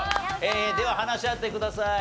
では話し合ってください。